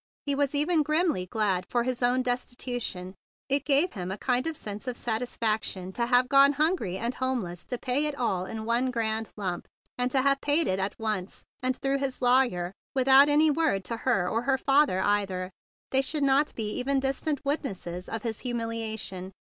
He was even grimly glad for his own desti¬ tution. It gave a kind of sense of satis¬ faction to have gone hungry and home¬ less to pay it all in one grand lump, and to have paid it at once, and through his lawyer, without any word to her or her 38 THE BIG BLUE SOLDIER father either. They should not be even distant witnesses of his humiliation.